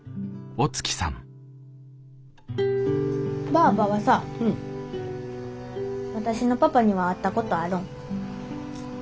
ばあばはさ私のパパには会ったことあるん？